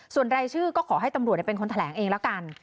ส่วนรายชื่อก็ขอให้ตำรวจเป็นคนแถลงเองแล้วกัน